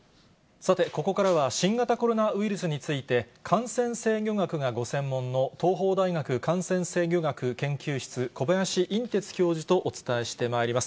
さて、ここからは新型コロナウイルスについて、感染制御学がご専門の東邦大学感染制御学研究室、小林寅てつ教授とお伝えしてまいります。